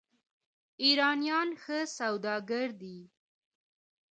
ایرانیان ښه سوداګر دي.